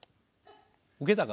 ウケたか？